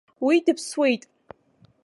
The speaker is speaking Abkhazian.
Уи дыԥсуеит!